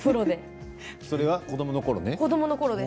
それは子どものころね。